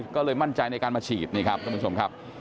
ก็เลยมั่นใจในการมาฉีดนี่ครับท่านผู้ชมครับ